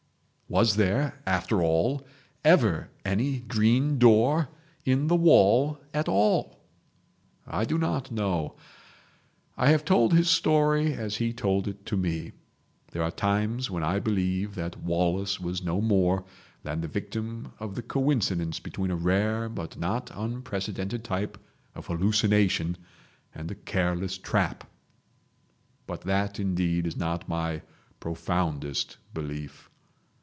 Was there, after all, ever any green door in the wall at all? I do not know. I have told his story as he told it to me. There are times when I believe that Wallace was no more than the victim of the coincidence between a rare but not unprecedented type of hallucination and a careless trap, but that indeed is not my profoundest belief.